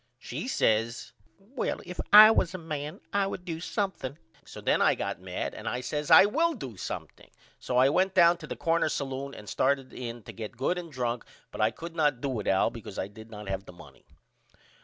She says Well if I was a man I would do something. So then I got mad and I says I will do something. So I went down to the corner salloon and started in to get good and drunk but I could not do it Al because I did not have the money.